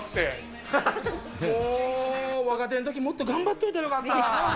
もー、若手のとき、もっと頑張っておけばよかった。